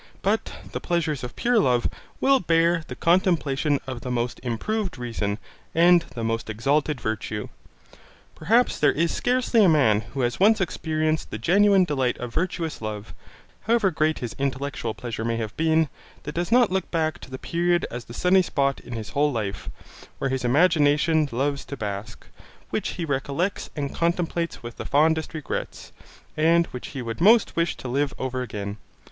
But the pleasures of pure love will bear the contemplation of the most improved reason, and the most exalted virtue. Perhaps there is scarcely a man who has once experienced the genuine delight of virtuous love, however great his intellectual pleasure may have been, that does not look back to the period as the sunny spot in his whole life, where his imagination loves to bask, which he recollects and contemplates with the fondest regrets, and which he would most wish to live over again.